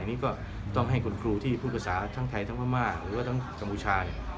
นี่ก็ต้องให้คุณครูที่พูดภาษาทั้งไทยทั้งพม่าหรือว่าทั้งกัมพูชา